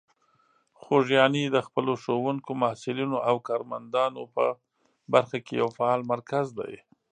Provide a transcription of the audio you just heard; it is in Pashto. خوږیاڼي د خپلو ښوونکو، محصلینو او کارمندان په برخه کې یو فعال مرکز دی.